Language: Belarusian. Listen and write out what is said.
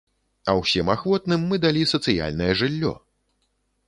А ўсім ахвотным мы далі сацыяльнае жыллё!